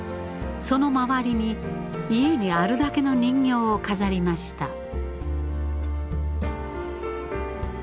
その周りに家にあるだけの人形を飾りました。